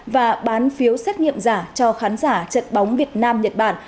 và bán phiếu xét nghiệm giả cho khán giả trận bóng việt nam nhật bản